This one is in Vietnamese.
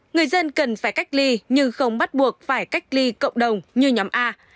người dân cần phải cách ly nhưng không bắt buộc phải cách ly cộng đồng như nhóm a